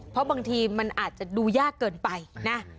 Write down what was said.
เพราะบางทีมันอาจจะดูยากเกินไปนะ